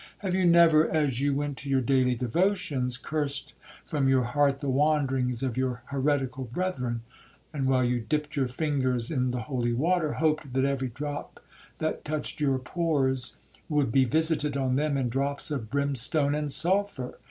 —Have you never, as you went to your daily devotions, cursed from your heart the wanderings of your heretical brethren,—and while you dipped your fingers in the holy water, hoped that every drop that touched your pores, would be visited on them in drops of brimstone and sulphur?